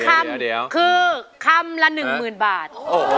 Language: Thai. ๑คำคือคำละ๑๐๐๐๐บาท